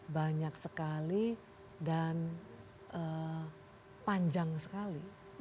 banyak sekali dan panjang sekali